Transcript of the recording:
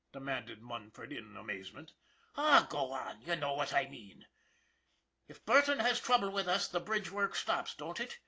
demanded Munford, in amazement. "Aw, go on; you know what I mean. If Burton has trouble with us the bridge work stops, don't it?